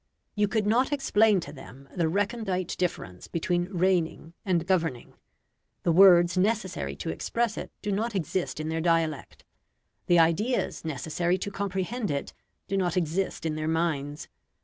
You could not explain to them the recondite difference between "reigning" and "governing"; the words necessary to express it do not exist in their dialect; the ideas necessary to comprehend it do not exist in their minds.